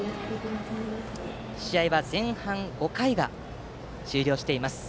試合は前半５回が終了しています